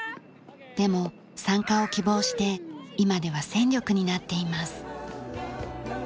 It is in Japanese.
でも参加を希望して今では戦力になっています。